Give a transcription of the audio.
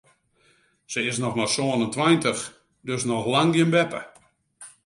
Se is noch mar sân en tweintich, dus noch lang gjin beppe.